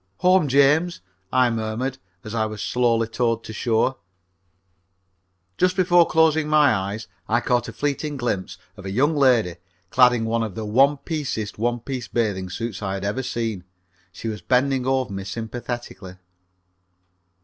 "Home, James," I murmured, as I was slowly towed to shore. Just before closing my eyes I caught a fleeting glimpse of a young lady clad in one of the one piecest one piece bathing suits I had ever seen. She was bending over me sympathetically.